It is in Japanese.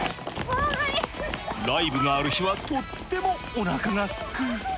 ライブがある日はとってもおなかがすく。